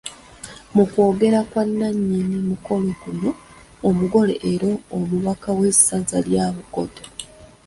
Mu kwogera kwa nnannyini mukolo guno, omugole era omubaka w’essaza lya Bukoto.